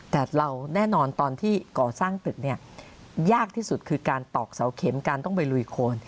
แต่เราแน่นอนตอนที่ก่อสร้างตึกเนี่ยยากที่สุดคือการตอกเสาเข็มการต้องไปลุยโคน